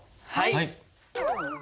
はい。